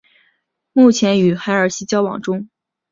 目前与海尔希交往中。